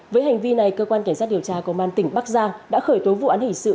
với hành vi này cơ quan cảnh sát điều tra công an tỉnh bắc giang đã khởi tố vụ án hình sự